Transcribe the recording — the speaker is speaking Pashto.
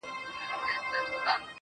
په يو خـمـار په يــو نـسه كــي ژونــدون.